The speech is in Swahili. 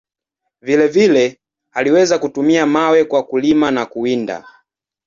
Vile vile, aliweza kutumia mawe kwa kulima na kuwinda.